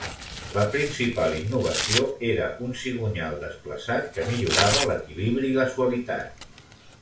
La principal innovació era un cigonyal desplaçat que millorava l'equilibri i la suavitat.